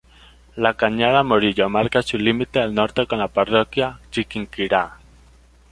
La cañada Morillo marca su límite al norte con la parroquia Chiquinquirá.